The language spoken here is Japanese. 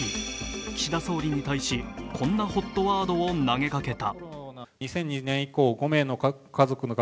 岸田総理に対し、こんなＨＯＴワードを投げかけた。